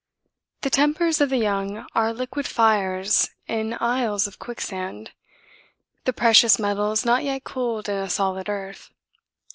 The tempers of the young are liquid fires in isles of quicksand; the precious metals not yet cooled in a solid earth.